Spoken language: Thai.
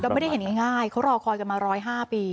ไม่ได้เห็นง่ายเขารอคอยกันมา๑๐๕ปี